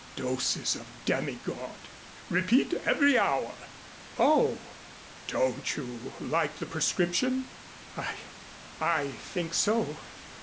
"Doses of demigod. Repeat every hour." "Oh !" "Don't you like the prescription?" "I I think so."